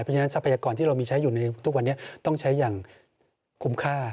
เพราะฉะนั้นทรัพยากรที่เรามีใช้อยู่ในทุกวันนี้ต้องใช้อย่างคุ้มค่า